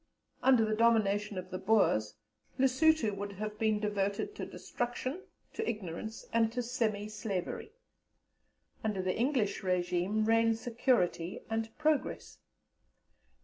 "Under the domination of the Boers, Lessuto would have been devoted to destruction, to ignorance, and to semi slavery. Under the English régime reign security and progress.